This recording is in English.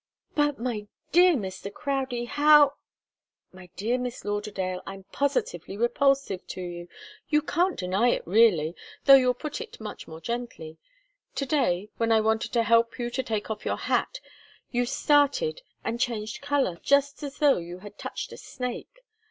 "But, my dear Mr. Crowdie, how " "My dear Miss Lauderdale, I'm positively repulsive to you. You can't deny it really, though you'll put it much more gently. To day, when I wanted to help you to take off your hat, you started and changed colour just as though you had touched a snake.